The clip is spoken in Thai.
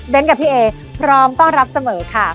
กับพี่เอพร้อมต้อนรับเสมอค่ะ